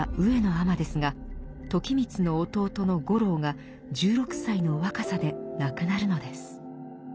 尼ですが時光の弟の五郎が１６歳の若さで亡くなるのです。